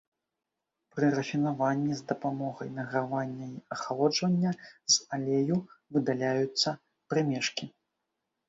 Пры рафінаванні з дапамогай награвання і ахалоджвання з алею выдаляюцца прымешкі.